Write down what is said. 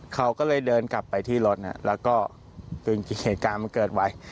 เขาก็เลยเดินกลับไปที่รถแล้วก็จนเหตุการณ์มันเกิดไว้